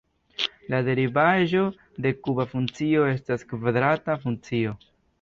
La derivaĵo de kuba funkcio estas kvadrata funkcio.